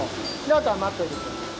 あとはまっといてください。